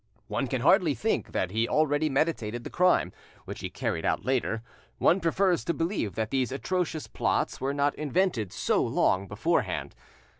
One can hardly think that he already meditated the crime which he carried out later; one prefers to believe that these atrocious plots were not invented so long beforehand.